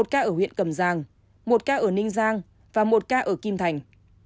một ca ở huyện cầm giang một ca ở ninh giang và một ca ở kim thành